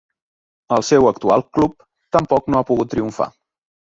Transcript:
Al seu actual club tampoc no ha pogut triomfar.